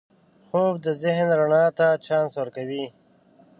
خوب د ذهن رڼا ته چانس ورکوي